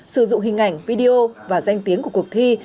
sử dụng hình ảnh video và danh tiếng của cuộc thi